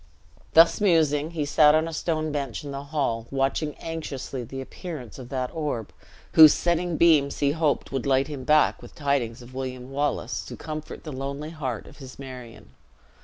Thus musing, he sat on a stone bench in the hall, watching anxiously the appearance of that orb, whose setting beams he hoped would light him back with tidings of William Wallace to comfort the lonely heart of his Marion.